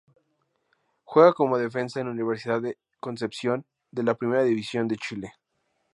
Juega como defensa en Universidad de Concepción de la Primera División de Chile.